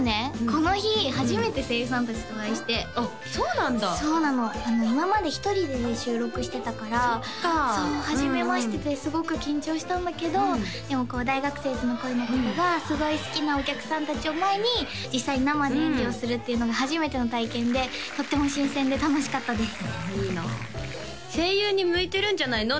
この日初めて声優さん達とお会いしてあっそうなんだそうなの今まで１人で収録してたからそっかそうはじめましてですごく緊張したんだけどでも「大学生ズの恋。」のことがすごい好きなお客さん達を前に実際生で演技をするっていうのが初めての体験でとっても新鮮で楽しかったですいいなあ声優に向いてるんじゃないの？